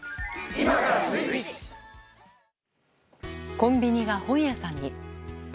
コンビニが本屋さんに。